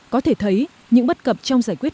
có thể thấy những bất cập trong giải quyết